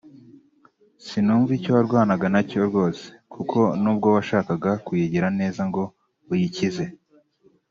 “Sinumva icyo warwanaga nacyo rwose kuko n’ubwo washakaga kuyigira neza ngo uyikize